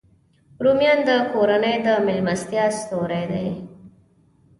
رومیان د کورنۍ د میلمستیا ستوری دی